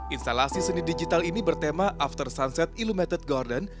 instalasi seni digital ini bertema after sunset illumited garden